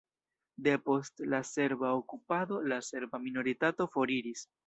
Depost la serba okupado la serba minoritato foriris.